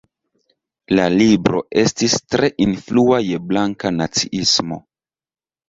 La libro estis tre influa je blanka naciismo.